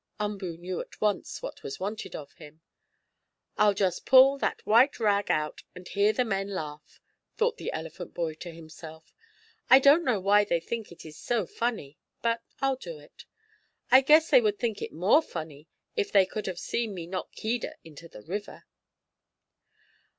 Umboo knew at once what was wanted of him. "I'll just pull that white rag out and hear the men laugh," thought the elephant boy to himself. "I don't know why they think it is so funny, but I'll do it. I guess they would think it more funny if they could have seen me knock Keedah into the river."